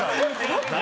何？